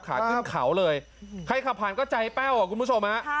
ขึ้นเขาเลยใครขับผ่านก็ใจแป้วอ่ะคุณผู้ชมฮะ